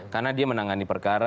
karena dia menangani perkara